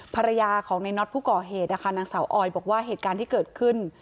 ภรรยาของในน็อตผู้ก่อเหตุนะคะนางสาวออยบอกว่าเหตุการณ์ที่เกิดขึ้น